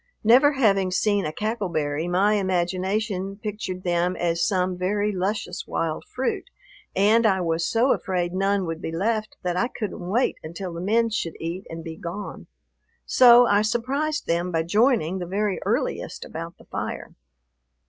Never having seen a cackle berry, my imagination pictured them as some very luscious wild fruit, and I was so afraid none would be left that I couldn't wait until the men should eat and be gone. So I surprised them by joining the very earliest about the fire.